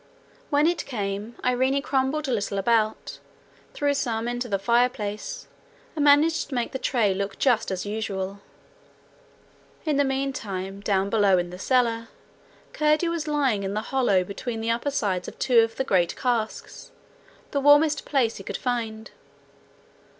When it came, Irene crumbled a little about, threw some into the fireplace, and managed to make the tray look just as usual. In the meantime, down below in the cellar, Curdie was lying in the hollow between the upper sides of two of the great casks, the warmest place he could find.